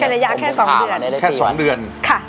ในระยะแค่๒เดือน